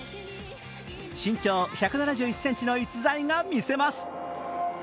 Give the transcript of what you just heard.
身長１７１ｃｍの逸材が見せます。